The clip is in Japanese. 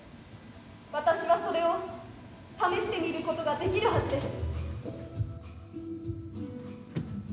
私はそれを試してみることができるはずです。